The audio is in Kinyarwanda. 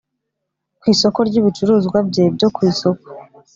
ku isoko ry ibicuruzwa bye byo ku isoko